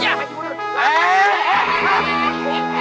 yah ya ya